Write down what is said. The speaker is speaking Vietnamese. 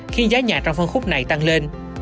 khiến giá nhà trong phân khúc này tăng lên